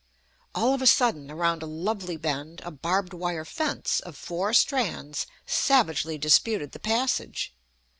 All of a sudden, around a lovely bend, a barbed wire fence of four strands savagely disputed the passage.